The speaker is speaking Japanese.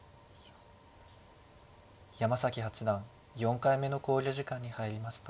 山崎八段４回目の考慮時間に入りました。